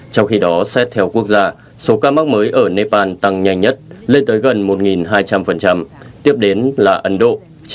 trong khi đó xét theo quốc gia số ca mắc mới ở nepal tăng nhanh nhất lên tới gần một hai trăm linh tiếp đến là ấn độ chín trăm ba mươi bảy